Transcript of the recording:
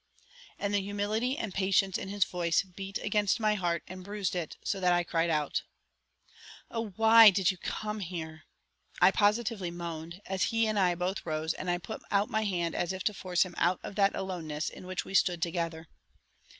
And the humility and patience in his voice beat against my heart and bruised it so that I cried out. "Oh, why did you come here?" I positively moaned, as he and I both rose and I put out my hand as if to force him out of that aloneness in which we stood together.